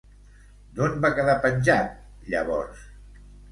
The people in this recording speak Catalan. D'on va quedar penjat, llavors?